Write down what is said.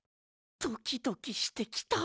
ドキドキしてきた。